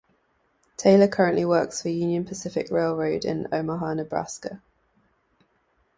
Taylor currently works for Union Pacific Railroad in Omaha, Nebraska.